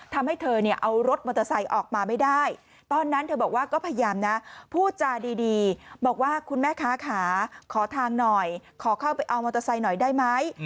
ทำให้เธอเนี่ยเอารถมอเตอร์ไซค์ออกมาไม่ได้ตอนนั้นเธอบอกว่าก็พยายามนะพูดจาดีบอกว่าคุณแม่ค้าขาขอทางหน่อยขอเข้าไปเอามอเตอร์ไซค์หน่อยได้ไหม